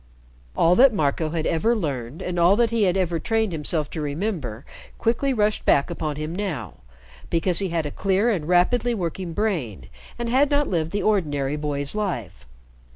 All that Marco had ever learned and all that he had ever trained himself to remember, quickly rushed back upon him now, because he had a clear and rapidly working brain, and had not lived the ordinary boy's life.